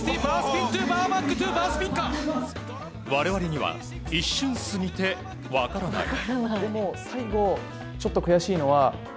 我々には一瞬すぎて分からない。